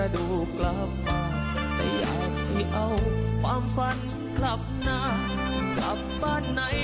แต่เป็นคนฉันติดดึนเป็นผู้รับใช้จนชิน